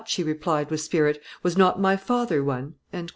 she replied, with spirit. "Was not my father one?"